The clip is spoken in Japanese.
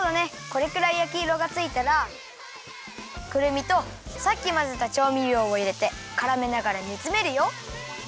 これくらいやきいろがついたらくるみとさっきまぜたちょうみりょうをいれてからめながらにつめるよ。